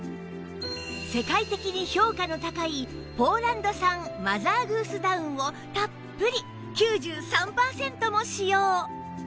世界的に評価の高いポーランド産マザーグースダウンをたっぷり９３パーセントも使用